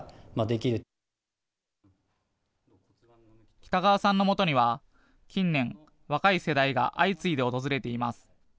北川さんのもとには近年、若い世代が相次いで訪れています。